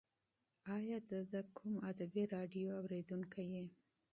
ایا ته د کوم ادبي راډیو اورېدونکی یې؟